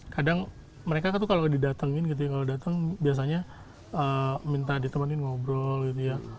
kadang mereka tuh kalau didatengin gitu ya kalau datang biasanya minta ditemenin ngobrol gitu ya